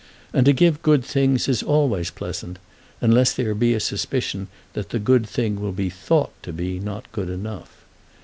And to give good things is always pleasant, unless there be a suspicion that the good thing will be thought to be not good enough.